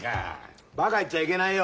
バカ言っちゃいけないよ。